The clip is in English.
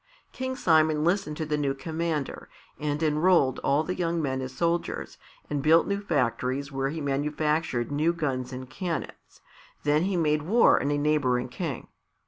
King Simon listened to the new commander, and enrolled all the young men as soldiers and built new factories where he manufactured new guns and cannons, then he made war on a neighbouring king.